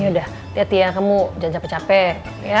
ya udah hati hati ya kamu jangan capek capek